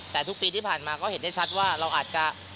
แต่ทุกปีที่ผ่านมาก็เห็นได้ชัดว่าเราอาจจะ